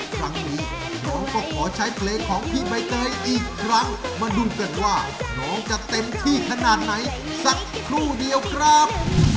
ครั้งนี้น้องก็ขอใช้เพลงของพี่ใบเตยอีกครั้งมาดูกันว่าน้องจะเต็มที่ขนาดไหนสักครู่เดียวครับ